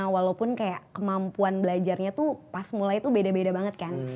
walaupun kayak kemampuan belajarnya tuh pas mulai tuh beda beda banget kan